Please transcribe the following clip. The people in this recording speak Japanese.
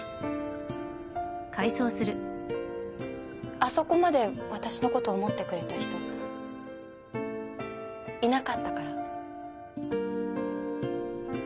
あそこまで私のこと思ってくれた人いなかったから。